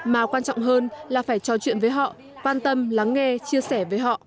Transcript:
mà quan trọng hơn là phải trò chuyện với họ quan tâm lắng nghe chia sẻ với họ